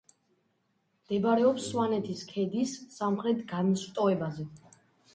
მდებარეობს სვანეთის ქედის სამხრეთ განშტოებაზე.